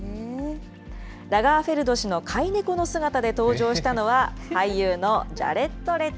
ラガーフェルド氏の飼い猫の姿で登場したのは、俳優のジャレット・レト。